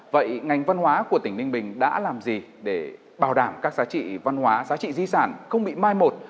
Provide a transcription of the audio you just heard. vậy ngành văn hóa của tỉnh ninh bình đã làm gì để bảo đảm các giá trị văn hóa giá trị di sản không bị mai một